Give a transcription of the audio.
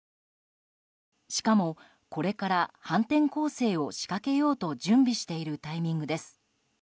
しかも、これから反転攻勢を仕掛けようと準備しているタイミングです。